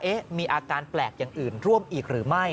มีอาการแปลกอย่างอื่นร่วมอีกหรือไม่